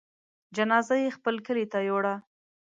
جنازه يې خپل کلي ته يووړه.